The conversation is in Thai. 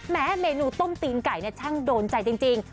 เมนูต้มตีนไก่เนี่ยช่างโดนใจจริง